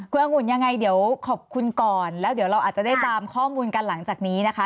คุณองุ่นยังไงเดี๋ยวขอบคุณก่อนแล้วเดี๋ยวเราอาจจะได้ตามข้อมูลกันหลังจากนี้นะคะ